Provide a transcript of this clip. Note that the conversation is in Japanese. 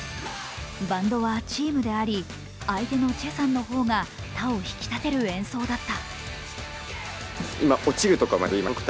バンドはチームであり、相手のチェさんの方が他を引き立てる演奏だった。